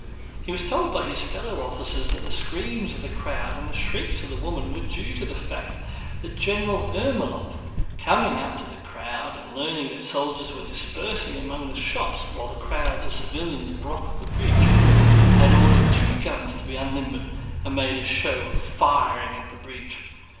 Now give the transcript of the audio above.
He was told by his fellow officers that the screams of the crowd and the shrieks of the woman were due to the fact that General Ermólov, coming up to the crowd and learning that soldiers were dispersing among the shops while crowds of civilians blocked the bridge, had ordered two guns to be unlimbered and made a show of firing at the bridge.